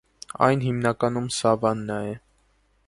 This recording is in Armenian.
Այն հիմնականում սավաննա է։